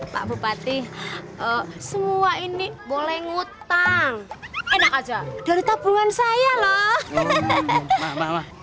pak bupati semua ini boleh ngutang enak aja dari tabungan saya loh